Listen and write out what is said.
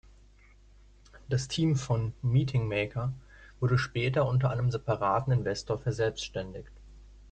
Das Team von "Meeting Maker" wurde später unter einem separaten Investor verselbständigt.